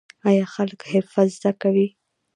آیا خلک حرفه زده کوي؟